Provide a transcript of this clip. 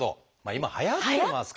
今はやってますからね。